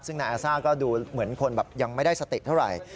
ซึ่งนายอาซ่าก็ดูเหมือนคนแบบยังไม่ได้สติเท่าไหร่